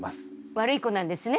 悪い子なんですね。